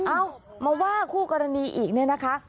เอามาว่าคู่กรณีอีกเนี่ยนะคะ